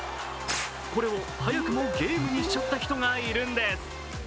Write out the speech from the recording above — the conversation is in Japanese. これを早くもゲームにしちゃった人がいるんです。